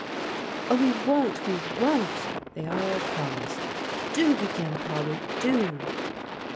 "Oh, we won't; we won't!" they all promised. "Do begin, Polly, do."